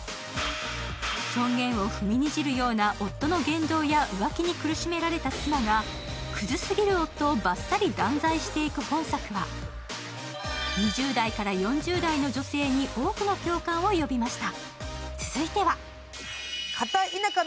尊厳を踏みにじるような夫の言動や浮気に苦しめられた妻が、クズ過ぎる夫をバッサリ断罪していく本作は２０代から４０代の女性に多くの共感を呼びました。